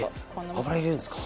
え油入れるんですか？